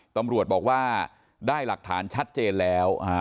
ตำรวจบอกว่าได้หลักฐานชัดเจนแล้ว